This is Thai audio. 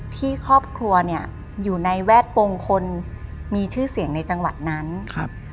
ที่ครอบครัวเนี่ยอยู่ในแวดวงคนมีชื่อเสียงในจังหวัดนั้นครับ